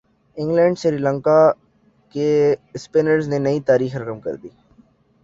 England اور سری لنکا کے spinners نے نئی تاریخ رقم کر دی